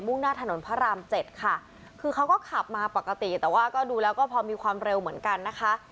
่งหน้าถนนพระรามเจ็ดค่ะคือเขาก็ขับมาปกติแต่ว่าก็ดูแล้วก็พอมีความเร็วเหมือนกันนะคะ